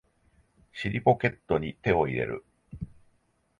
尻ポケットに手を入れる